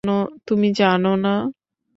তুমি জানো না?